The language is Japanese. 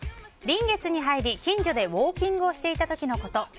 臨月に入り近所でウォーキングをしていた時のこと。